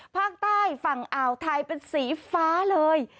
ภาคใต้ฝั่งอ่าวไทยเป็นสีฟ้าเลย